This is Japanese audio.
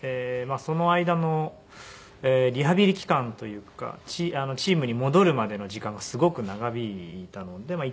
その間のリハビリ期間というかチームに戻るまでの時間がすごく長引いたので。